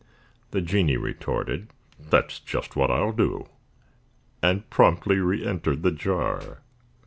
The genie retorted: "That's just what I'll do!" And promptly reëntered the jar.